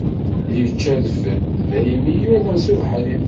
Yečča adfel, daymi yuḍen s ubeḥri.